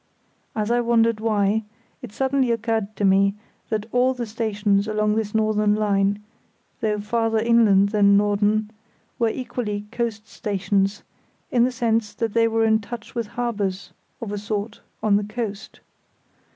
As I wondered why, it suddenly occurred to me that all the stations along this northern line, though farther inland than Norden, were equally "coast stations", in the sense that they were in touch with harbours (of a sort) on the coast.